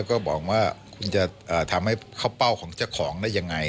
ก็บอกว่าคุณจะทำให้เข้าเป้าของเจ้าของได้ยังไง